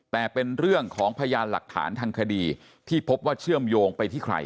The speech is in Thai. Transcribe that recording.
แต่เป็นเรื่องของพยานหลักฐานทางคดีที่พบว่าเชื่อมโยงไปที่ใคร